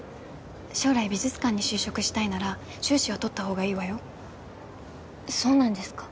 将来美術館に就職したいなら修士は取ったほうがいいわよそうなんですか？